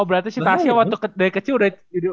oh berarti si tasya waktu dari kecil udah